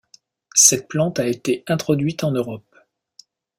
Cette plante a été introduite en Europe.